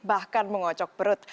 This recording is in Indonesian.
bahkan mengocok perut